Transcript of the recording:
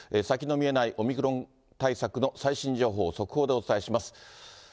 先の見えないオミクロン対策の最新情報を速報でお伝えします。